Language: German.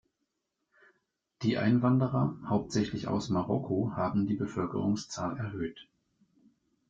Die Einwanderer, hauptsächlich aus Marokko, haben die Bevölkerungszahl erhöht.